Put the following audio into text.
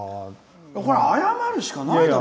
謝るしかないだろ。